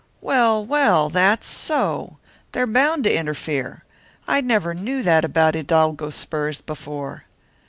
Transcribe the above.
"Well, well, that's so! They're bound to interfere. I never knew that about hidalgo spurs before."